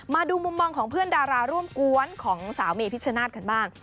มาดูมุมมองของเพื่อนดาราร่วมกวนของสาวเมพิชชนาธิ์กันบ้าง